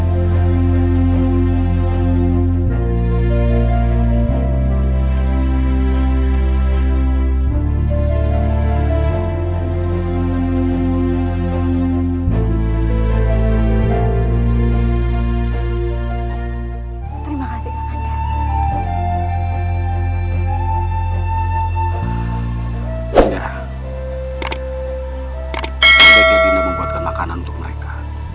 kita jadi indah membuatkan makanan untuk mereka